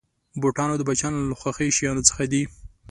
بوټونه د بچیانو له خوښې شيانو څخه دي.